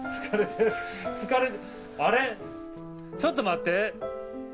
ちょっと待って。